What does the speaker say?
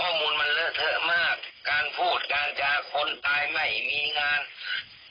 ข้อมูลมันเลอะเทอะมากการพูดการจาคนตายไม่มีงาน